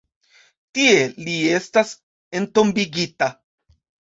Tie li estas entombigita.